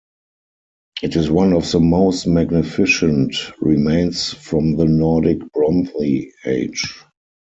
It is one of the most magnificent remains from the Nordic Bronze Age.